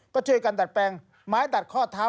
ก็ช่วยกันดัดแปลงไม้ดัดข้อเท้า